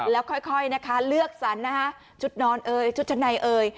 แล้วค่อยนะคะเลือกสรรนะคะชุดนอนเอ่ยชุดชั้นในเอ่ย